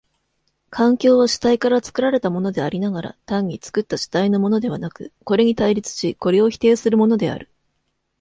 環境は主体から作られたものでありながら、単に作った主体のものではなく、これに対立しこれを否定するものである。